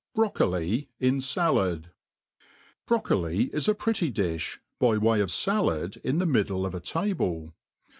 Broccoli in Sallad^ BROCCOLI IS a pretty difh, by way of fallad in the mid* die of a table.